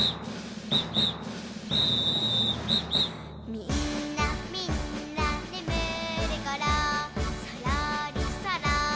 「みんなみんなねむるころそろりそろりでかけよう」